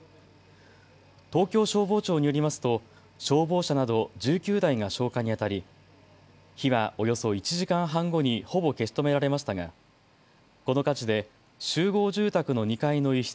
東京消防庁によりますと消防車など１９台が消火にあたり火はおよそ１時間半後にほぼ消し止められましたがこの火事で集合住宅の２階の一室